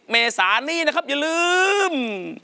เมษานี้นะครับอย่าลืม